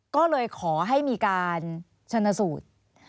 ก็เลยขอให้มีการชนสูตร